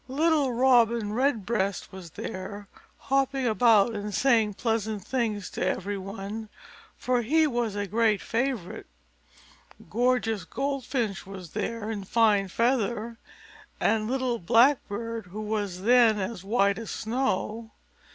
Little Robin Redbreast was there, hopping about and saying pleasant things to every one, for he was a great favorite. Gorgeous Goldfinch was there, in fine feather; and little Blackbird, who was then as white as snow.